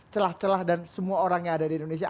celah celah dan semua orang yang ada di indonesia